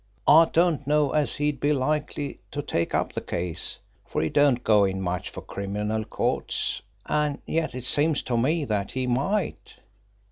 I don't know as he'd be likely to take up the case, for he don't go in much for criminal courts and yet it seems to me that he might.